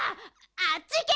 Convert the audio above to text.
あっちいけ！